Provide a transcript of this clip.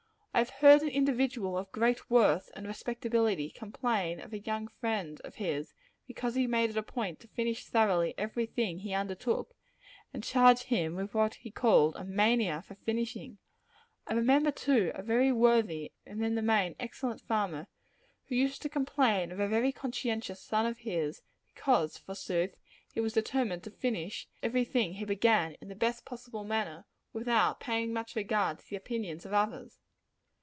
I have heard an individual of great worth and respectability complain of a young friend of his, because he made it a point to finish thoroughly every thing he undertook, and charge him with having what he called a mania for finishing, I remember, too, a very worthy, and, in the main, excellent farmer, who used to complain of a very conscientious son of his, because, forsooth, he was determined to finish every thing he began, in the best possible manner, without paying much regard to the opinions of others.